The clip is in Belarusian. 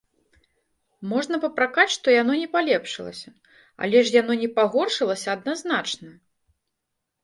Можна папракаць, што яно не палепшылася, але ж яно не пагоршылася адназначна!